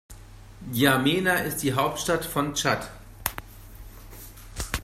N’Djamena ist die Hauptstadt von Tschad.